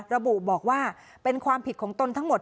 ระบุบอกว่าเป็นความผิดของตนทั้งหมด